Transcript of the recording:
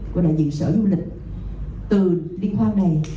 của đại diện sở du lịch từ liên hoan này